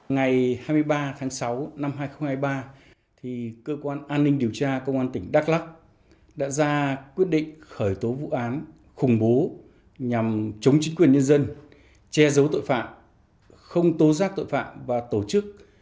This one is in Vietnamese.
ngày hai mươi ba tháng sáu năm hai nghìn hai mươi ba cơ quan an ninh điều tra công an tỉnh đắk lắc đã ra quyết định khởi tố vụ án khủng bố nhằm chống chính quyền nhân dân che giấu tội phạm không tố giác tội phạm và tổ chức